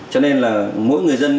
cho nên là mỗi người dân